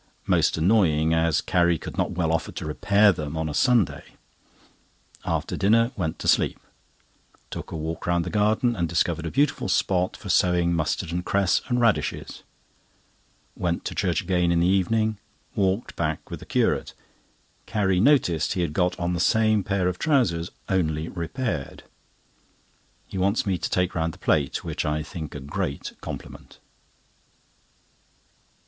Most annoying, as Carrie could not well offer to repair them on a Sunday. After dinner, went to sleep. Took a walk round the garden, and discovered a beautiful spot for sowing mustard and cress and radishes. Went to Church again in the evening: walked back with the Curate. Carrie noticed he had got on the same pair of trousers, only repaired. He wants me to take round the plate, which I think a great compliment.